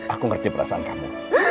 aku ngerti perasaan kamu